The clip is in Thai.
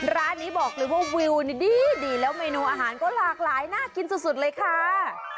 ร้านนี้บอกเลยว่าวิวนี่ดีแล้วเมนูอาหารก็หลากหลายน่ากินสุดเลยค่ะ